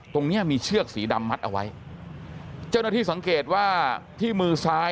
ตรงเนี้ยมีเชือกสีดำมัดเอาไว้เจ้าหน้าที่สังเกตว่าที่มือซ้าย